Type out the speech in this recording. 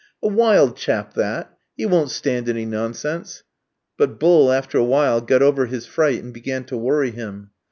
"A wild chap that! He won't stand any nonsense!" But Bull after a while got over his fright, and began to worry him.